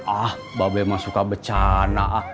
ah ba be mah suka becana